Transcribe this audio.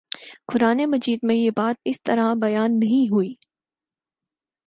قرآنِ مجید میں یہ بات اس طرح بیان نہیں ہوئی